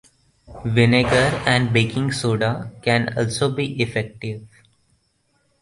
Vinegar and baking soda can also be effective.